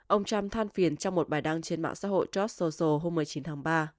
ông trump than phiền trong một bài đăng trên mạng xã hội chess sojial hôm một mươi chín tháng ba